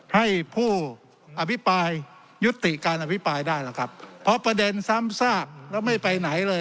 ให้ผู้อภิปรายยุติการอภิปรายได้ล่ะครับเพราะประเด็นซ้ำซากแล้วไม่ไปไหนเลย